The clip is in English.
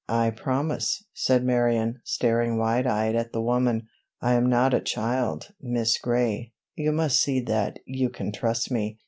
"I promise," said Marion, staring wide eyed at the woman. "I am not a child, Miss Gray—you must see that you can trust me."